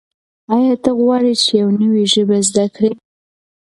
آیا ته غواړې چې یو نوی ژبه زده کړې؟